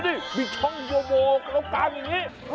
ดิมีช่องโยโวแล้วกันอย่างนี้